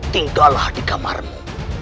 tinggallah di kamarmu